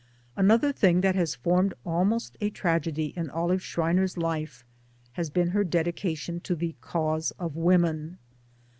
Another thing that has formed almost a tragedy in Olive Schreiner's life has been her dedication to the Cause of Women.